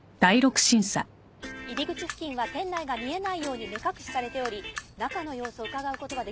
入り口付近は店内が見えないように目隠しされており中の様子をうかがうことはできません。